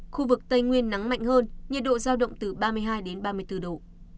khu vực tây nguyên nắng mạnh hơn nhiệt độ giao động từ ba mươi hai đến ba mươi bốn độ